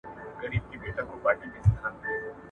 د وزن کمولو کسانو په سباناري کې کافي خواړه خوري.